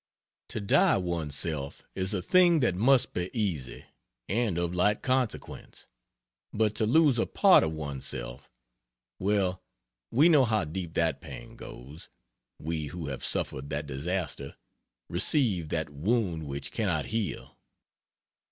To die one's self is a thing that must be easy, and of light consequence, but to lose a part of one's self well, we know how deep that pang goes, we who have suffered that disaster, received that wound which cannot heal.